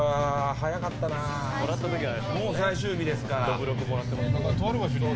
早かったな、もう最終日ですか。